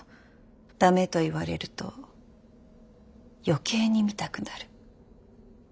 駄目と言われると余計に見たくなる。